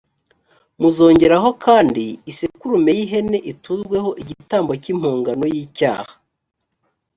muzongeraho kandi isekurume y’ihene iturweho igitambo cy’impongano y’icyaha